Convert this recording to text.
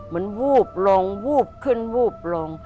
มันวูบลงวูบขึ้นวูบลง